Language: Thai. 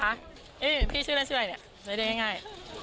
อันนี้พี่ชื่อแล้วชื่อไรเนี่ย